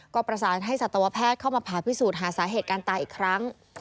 ก็ประสานให้สัตวแพทย์เข้ามาผ่าพิสูจน์หาสาเหตุการตายอีกครั้ง